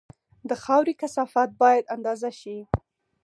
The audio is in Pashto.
د خاورې کثافت باید اندازه شي